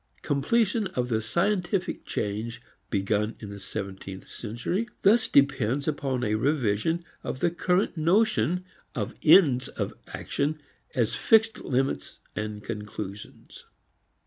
Completion of the scientific change begun in the seventeenth century thus depends upon a revision of the current notion of ends of action as fixed limits and conclusions.